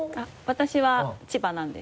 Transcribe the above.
私は千葉なんです。